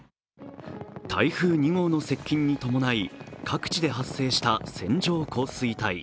台風２号の接近に伴い、各地で発生した線状降水帯。